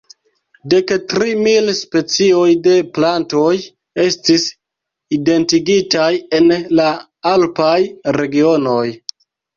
Dektri mil specioj de plantoj estis identigitaj en la alpaj regionoj.